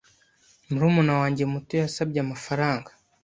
Murumuna wanjye muto yasabye amafaranga.